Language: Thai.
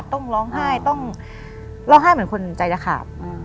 ต้องร้องไห้ต้องร้องไห้เหมือนคนใจจะขาด